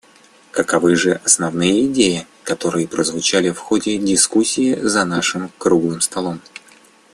Каковы же основные идеи, которые прозвучали в ходе дискуссии за нашим «круглым столом»?